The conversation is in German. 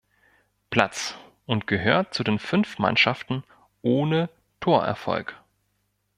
Platz und gehört zu den fünf Mannschaften ohne Torerfolg.